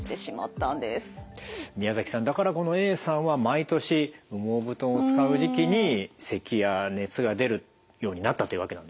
宮崎さんだからこのＡさんは毎年羽毛布団を使う時期にせきや熱が出るようになったというわけなんですね。